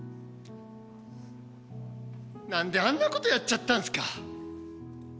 なんであんなことやっちゃったんですか。